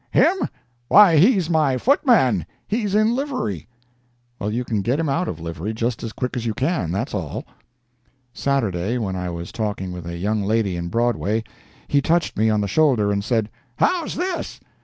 "Him? Why, he's my footman—he's in livery." "Well, you get him out of livery just as quick as you can—that's all." Saturday, when I was talking with a young lady in Broadway, he touched me on the shoulder and said: "How's this?"